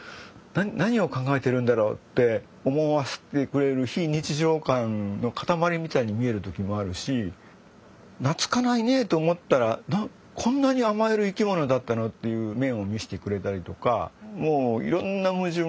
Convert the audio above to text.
何を考えてるんだろうって思わせてくれる非日常感の塊みたいに見える時もあるし懐かないねと思ったらこんなに甘える生き物だったの？っていう面を見せてくれたりとかもういろんな矛盾